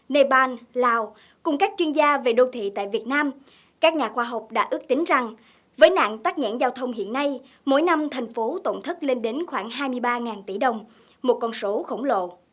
những các chuyên gia về đô thị tại việt nam các nhà khoa học đã ước tính rằng với nạn tắt nhãn giao thông hiện nay mỗi năm thành phố tổng thất lên đến khoảng hai mươi ba tỷ đồng một con số khổng lồ